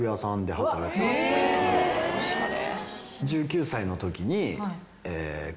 おしゃれ。